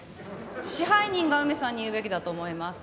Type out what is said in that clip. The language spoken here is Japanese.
支配人が梅さんに言うべきだと思います。